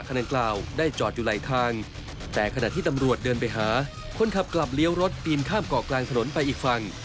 ขนาดที่ตำรวจเดินไปหาคนขับกลับเลี้ยวรถปีนข้ามก่อกกลางถนนไปอีกฝั่ง